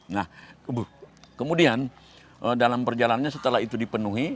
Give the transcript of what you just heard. nah kemudian dalam perjalanannya setelah itu dipenuhi